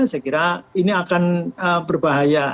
saya kira ini akan berbahaya